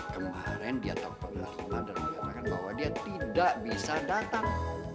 kemarin dia telfon halimah dan mengatakan bahwa dia tidak bisa datang